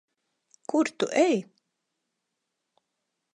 Kur tu ej?